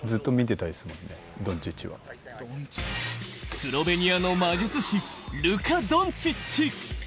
スロベニアの魔術師、ルカ・ドンチッチ。